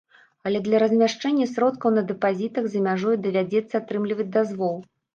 Але для размяшчэння сродкаў на дэпазітах за мяжой давядзецца атрымліваць дазвол.